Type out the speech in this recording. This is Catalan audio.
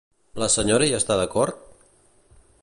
La senyora hi està d'acord?